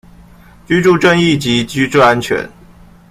居住正義及居住安全